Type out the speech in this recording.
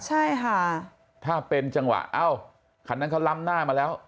ใช่ค่ะถ้าเป็นจังหวะเอ้าคันนั้นเขาล้ำหน้ามาแล้ว